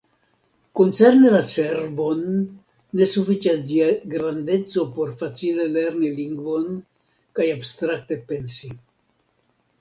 Koncerne la cerbon, ne sufiĉas ĝia grandeco por facile lerni lingvon kaj abstrakte pensi.